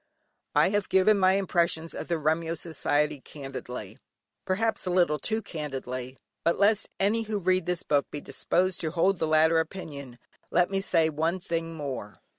I have given my impressions of the Remyo society candidly, perhaps a little too candidly; but lest any who read this book be disposed to hold the latter opinion, let me say one thing more.